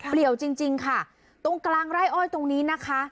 เปลี่ยวจริงจริงค่ะตรงกลางไร่อ้อยตรงนี้นะคะ